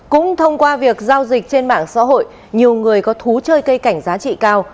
cũng thông qua việc giao dịch trên mạng xã hội nhiều người có thú chơi cây cảnh giá trị cao